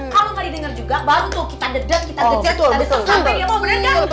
kalau gak didengar juga baru tuh kita dedet kita gejet kita disesamping ya pak rete